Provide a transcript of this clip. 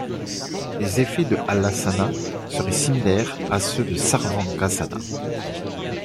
Les effets de Halasana seraient similaires à ceux de Sarvangasana.